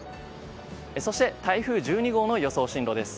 そして台風１２号の予想進路です。